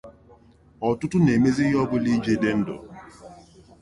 ọtụtụ na-emezi ihe ọbụla iji dị ndụ